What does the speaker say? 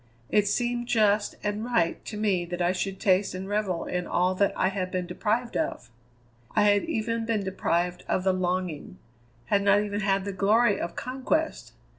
It seemed just and right to me that I should taste and revel in all that I had been deprived of. I had even been deprived of the longing, had not even had the glory of conquest.